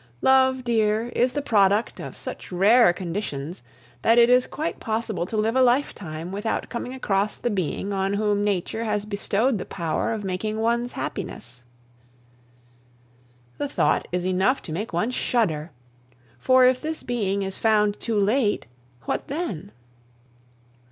Love, dear, is the product of such rare conditions that it is quite possible to live a lifetime without coming across the being on whom nature has bestowed the power of making one's happiness. The thought is enough to make one shudder; for if this being is found too late, what then?